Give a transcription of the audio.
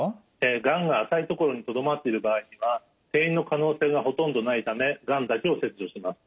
がんが浅い所にとどまっている場合には転移の可能性がほとんどないためがんだけを切除します。